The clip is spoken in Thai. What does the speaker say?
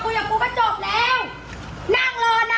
สงสารกูแปลงเงินกูเกือบล้านอะ